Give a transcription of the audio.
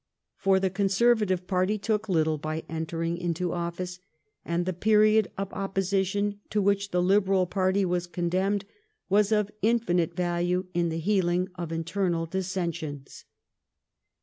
For the Conservative party took little by entering into office ; and the period of opposition to which the Liberal party was condemned, was of infinite value in the healing of internal dissensions.